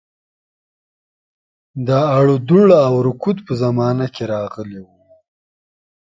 د اړودوړ او رکود په زمانه کې راغلی وو.